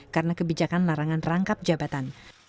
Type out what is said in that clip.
karena kebijakan larangan rangkap jabatan